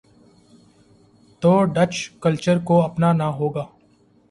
تو Dutch culture کو اپنا نا ہو گا۔